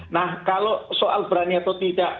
nah kalau soal berani atau tidak